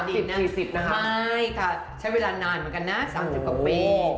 ไม่ค่ะใช้เวลานานเหมือนกันนะ๓๐กว่าเป็น